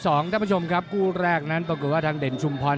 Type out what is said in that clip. ท่านผู้ชมครับคู่แรกนั้นปรากฏว่าทางเด่นชุมพร